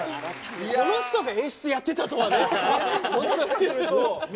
この人が演出やってたとはね。